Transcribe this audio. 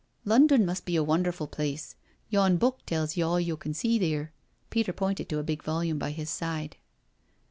" London must be a wonderfu' place— yon book tells ye all yo' can see theer." Peter pointed to a big volume by his side.